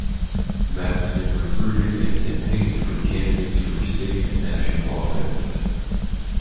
Matheson recruited and campaigned for candidates for state and national office.